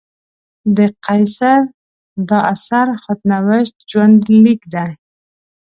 د قیصر دا اثر خود نوشت ژوندلیک دی.